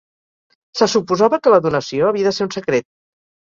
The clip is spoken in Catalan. Se suposava que la donació havia de ser un secret.